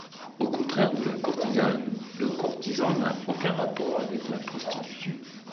Au contraire de la courtisane, le courtisan n'a aucun rapport avec la prostitution.